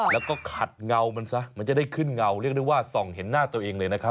แล้วก็ขัดเงามันซะมันจะได้ขึ้นเงาเรียกได้ว่าส่องเห็นหน้าตัวเองเลยนะครับ